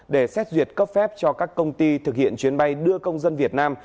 để xét duyệt cấp phép cho các công ty thực hiện chuyến bay đưa công dân việt nam